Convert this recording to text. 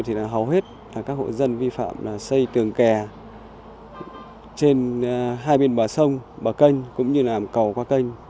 thì là hầu hết các hội dân vi phạm xây tường kè trên hai bên bờ sông bờ kênh cũng như là cầu qua kênh